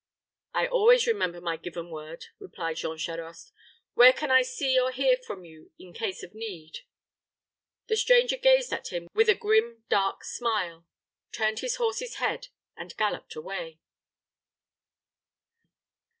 "I always remember my given word," replied Jean Charost; "where can I see or hear from you in case of need?" The stranger gazed at him with a grim dark smile; turned his horse's head and galloped away.